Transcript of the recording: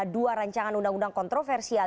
dua rancangan undang undang kontroversial